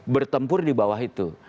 bertempur di bawah itu